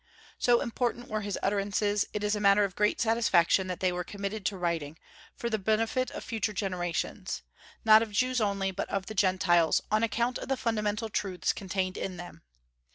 So important were his utterances, it is matter of great satisfaction that they were committed to writing, for the benefit of future generations, not of Jews only, but of the Gentiles, on account of the fundamental truths contained in them.